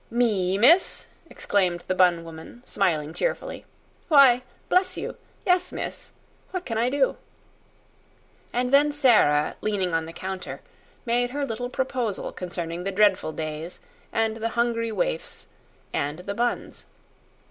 "Me, miss!" exclaimed the bun woman, smiling cheerfully. "Why, bless you! Yes, miss. What can I do?" And then Sara, leaning on the counter, made her little proposal concerning the dreadful days and the hungry waifs and the buns.